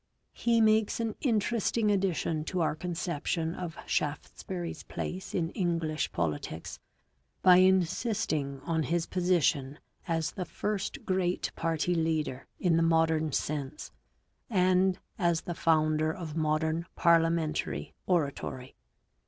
He makes an interesting addition to our concep tion of Shaftesbury's place in English politics, by insisting on his position as the first great party leader in the modern sense, and as the founder of modern parliamentary oratory.